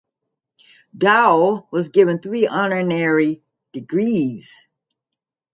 Dow was given three honorary degrees.